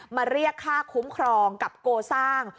มาเรียกค่าคุ้มครองกับโกสร้าง